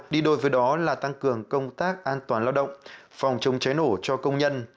đi đôi với đó là tăng cường công tác an toàn lao động phòng chống cháy nổ cho công nhân